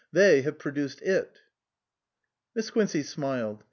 They have produced it." Miss Quincey smiled.